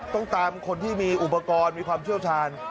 ต้องตามคนที่มีอุปกรณ์มีความเชี่ยวชาญ